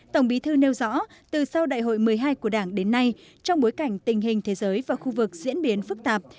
tổng bí thư nêu rõ từ sau đại hội một mươi hai của đảng đến nay trong bối cảnh tình hình thế giới và khu vực diễn biến phức tạp